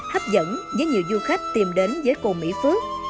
hấp dẫn với nhiều du khách tìm đến với cồn mỹ phước